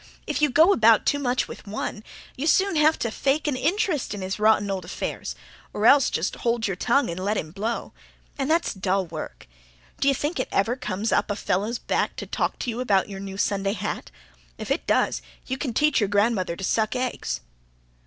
If you go about too much with one, you soon have to fake an interest in his rotten old affairs. Or else just hold your tongue and let him blow. And that's dull work. D'you think it ever comes up a fellow's back to talk to you about your new Sunday hat! If it does, you can teach your grandmother to suck eggs."